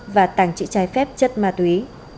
và tàng trữ trái phép chất ma túy